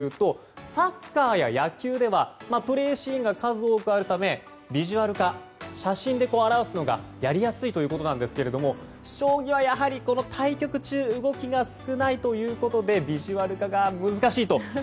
どういうことかというとサッカーや野球ではプレーシーンが数多くあるためビジュアル化、写真で表すのがやりやすいということなんですが将棋はやはり、対局中動きが少ないということでビジュアル化が難しいと。